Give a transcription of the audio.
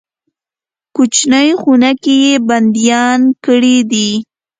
کوچنۍ خونه کې بندیان کړي دي.